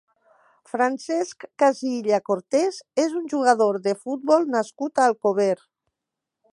Francesc Casilla Cortés és un jugador de futbol nascut a Alcover.